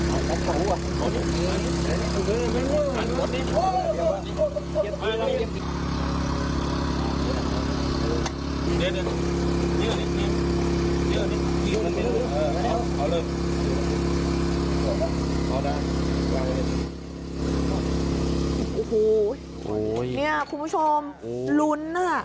โอ้โหเนี่ยคุณผู้ชมลุ้นนะ